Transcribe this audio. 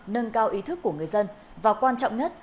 nâng cao ý thức của người dân và quan trọng nhất